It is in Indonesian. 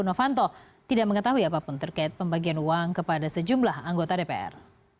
novanto tidak mengetahui apapun terkait pembagian uang kepada sejumlah anggota dpr